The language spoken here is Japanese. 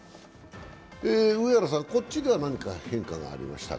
上原さん、こっちでは何か変化がありましたか？